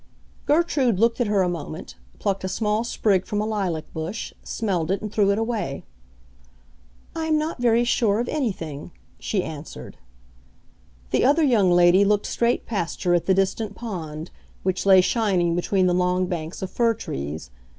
Gertrude looked at her a moment, plucked a small sprig from a lilac bush, smelled it and threw it away. "I am not very sure of anything!" she answered. The other young lady looked straight past her, at the distant pond, which lay shining between the long banks of fir trees.